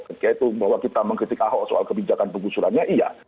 ketika itu bahwa kita mengkritik ahok soal kebijakan penggusurannya iya